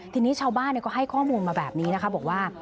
ทีนี้ชาวบ้านก็ให้ข้อมูลมาแบบนี้นะคะบอกว่า